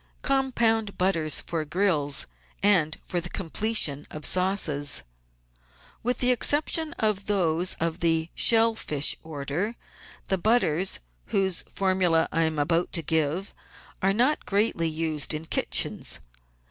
Compound Butters for Grills and for the Completion of Sauces With the exception of those of the shell fish order, the butters, whose formuL E I am about to give, are not greatly used in kitchens.